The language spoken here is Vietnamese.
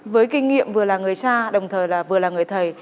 với kinh nghiệm vừa là người cha đồng thời là vừa là người thầy